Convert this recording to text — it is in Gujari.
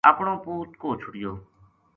اپنو پوت کوہ چھُڑیو